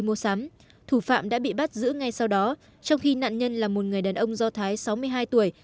mua sắm thủ phạm đã bị bắt giữ ngay sau đó trong khi nạn nhân là một người đàn ông do thái sáu mươi hai tuổi